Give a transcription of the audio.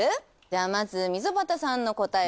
じゃあまず溝端さんの答え